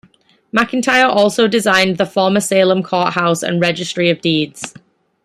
McIntire also designed the former Salem Court House and Registry of Deeds.